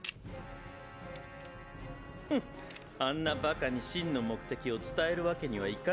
フッあんなバカに真の目的を伝えるわけにはいかないもの。